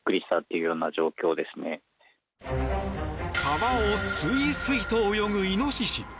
川をスイスイと泳ぐイノシシ。